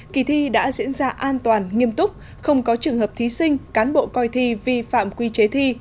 kỳ thi đã diễn ra an toàn nghiêm túc không có trường hợp thí sinh cán bộ coi thi vi phạm quy chế thi